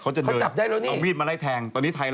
เขาจะเดินเอามีดมาไล่แทง